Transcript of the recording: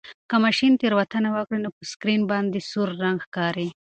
که ماشین تېروتنه وکړي نو په سکرین باندې سور رنګ ښکاري.